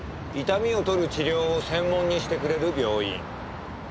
痛みを取る治療を専門にしてくれる病院。